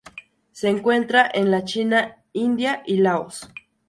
Se encuentra en la China, India y Laos.